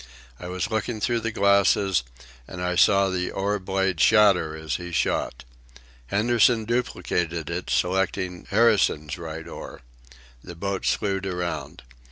I was looking through the glasses, and I saw the oar blade shatter as he shot. Henderson duplicated it, selecting Harrison's right oar. The boat slewed around.